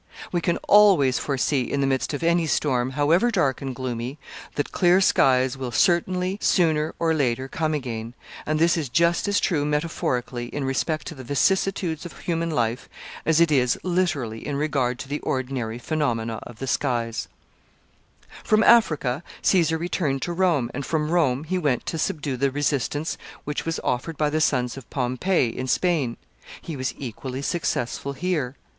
We can always foresee in the midst of any storm, however dark and gloomy, that clear skies will certainly sooner or later come again; and this is just as true metaphorically in respect to the vicissitudes of human life, as it is literally in regard to the ordinary phenomena of the skies. [Sidenote: Caesar in Spain.] [Sidenote: Defeat of Pompey's sons.] From Africa Caesar returned to Rome, and from Rome he went to subdue the resistance which was offered by the sons of Pompey in Spain. He was equally successful here.